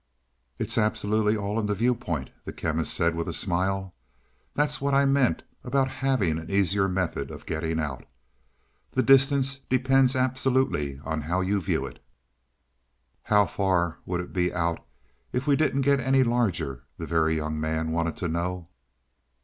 "It's absolutely all in the viewpoint," the Chemist said with a smile. "That's what I meant about having an easier method of getting out. The distance depends absolutely on how you view it." "How far would it be out if we didn't get any larger?" the Very Young Man wanted to know.